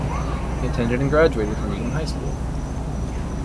He attended and graduated from Needham High School.